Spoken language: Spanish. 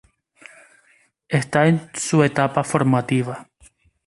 Esta es su etapa formativa.